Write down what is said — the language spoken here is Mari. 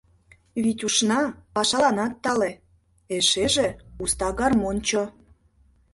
— Витюшна пашаланат тале, эшеже — уста гармоньчо.